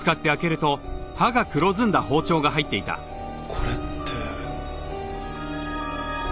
これって。